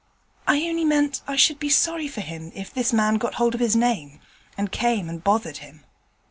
'I only meant I should be sorry for him if this man got hold of his name, and came and bothered him.'